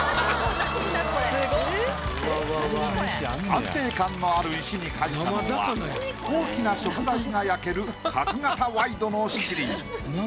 安定感のある石に描いたのは大きな食材が焼ける角型ワイドの七輪。